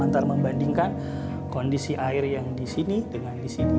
ntar membandingkan kondisi air yang di sini dengan di sini